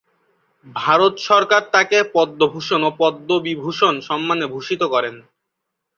ভারত সরকার তাকে পদ্মভূষণ ও পদ্মবিভূষণ সম্মানে ভূষিত করেন।